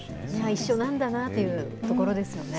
一緒なんだなというところですよね。